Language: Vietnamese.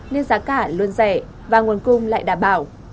nên giá cả luôn rẻ và nguồn cung lại đảm bảo